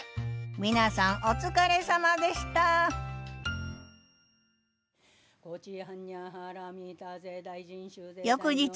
皆さんお疲れさまでした翌日。